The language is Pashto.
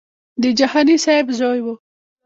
د جهاني صاحب زوی و.